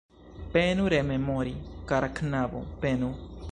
Penu rememori, kara knabo, penu.